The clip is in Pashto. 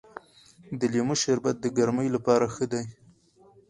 د لیمو شربت د ګرمۍ لپاره ښه دی.